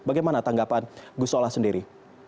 bagaimana tanggapan gus solah sendiri